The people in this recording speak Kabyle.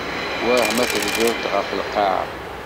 Wah ma tebdiḍ-d ɣef lqaε?